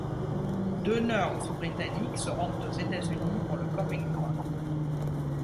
Deux nerds britanniques se rendent aux États-Unis pour le Comic-Con.